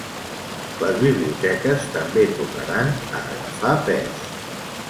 Les biblioteques també tornaran a agafar pes.